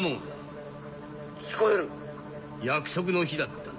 約束の日だったね。